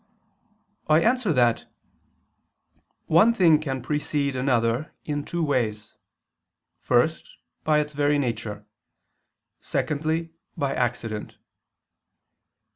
I answer that, One thing can precede another in two ways: first, by its very nature; secondly, by accident.